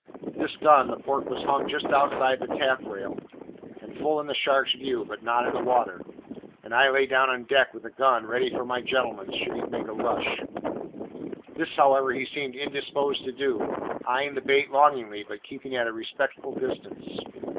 This done, the pork was hung just outside the taffrail, and full in the shark's view, but not in the water; and I lay down on deck with the gun ready for my gentleman, should he make a rush. This, however, he seemed indisposed to do; eyeing the bait longingly, but keeping at a respectful distance.